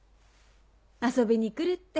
遊びに来るって。